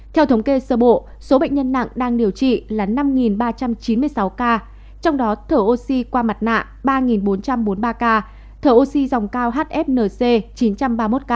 theo thống kê sơ bộ số bệnh nhân nặng đang điều trị là năm ba trăm chín mươi sáu ca trong đó thở oxy qua mặt nạ ba bốn trăm bốn mươi ba ca thở oxy dòng cao hfnc chín trăm ba mươi một ca